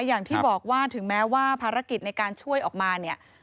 อย่างที่บอกว่าถึงแม้ว่าภารกิจในการช่วยออกมาเนี่ย